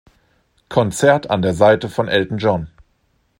Konzert an der Seite von Elton John.